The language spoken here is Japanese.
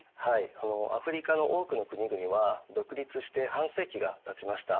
アフリカの多くの国々は独立して半世紀がたちました。